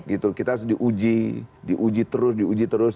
gitu kita di uji di uji terus di uji terus